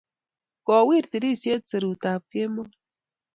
Kower tirisyet serutap Kemoi.